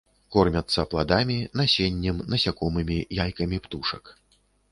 Кормяцца пладамі, насеннем, насякомымі, яйкамі птушак.